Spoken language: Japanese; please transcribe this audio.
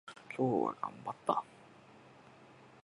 今日頑張った。